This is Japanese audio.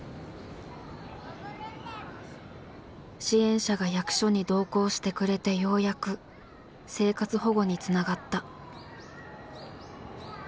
支援者が役所に同行してくれてようやく生活保護につながった。